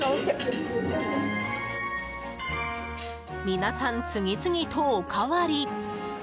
皆さん次々とおかわり！